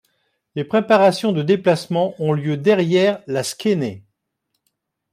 Les préparations de déplacement ont lieu derrière la skénè.